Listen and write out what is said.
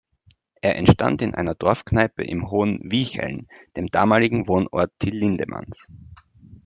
Er entstand in einer Dorfkneipe in Hohen Viecheln, dem damaligen Wohnort Till Lindemanns.